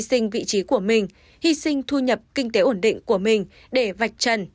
anh vẫn hi sinh vị trí của mình hi sinh thu nhập kinh tế ổn định của mình để vạch chân